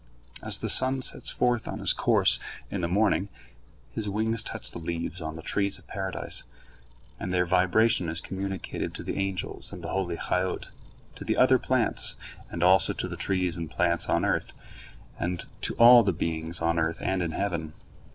As the sun sets forth on his course in the morning, his wings touch the leaves on the trees of Paradise, and their vibration is communicated to the angels and the holy Hayyot, to the other plants, and also to the trees and plants on earth, and to all the beings on earth and in heaven.